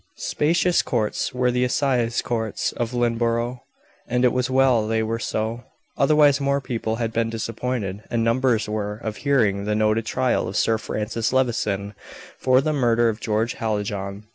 Spacious courts were the assize courts of Lynneborough; and it was well they were so, otherwise more people had been disappointed, and numbers were, of hearing the noted trial of Sir Francis Levison for the murder of George Hallijohn.